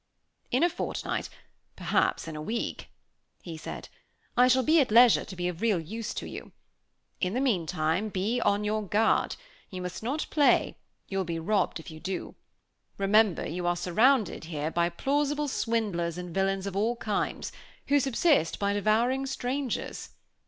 "In a fortnight, perhaps in a week," he said, "I shall be at leisure to be of real use to you. In the meantime, be on your guard. You must not play; you will be robbed if you do. Remember, you are surrounded, here, by plausible swindlers and villains of all kinds, who subsist by devouring strangers.